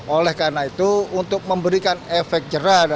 oleh karena itu untuk memberikan efek jerah